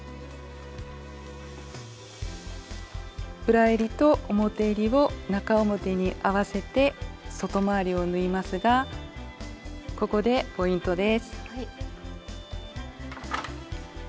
裏えりと表えりを中表に合わせて外回りを縫いますがここでポイントです。